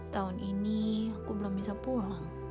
tahun ini aku belum bisa pulang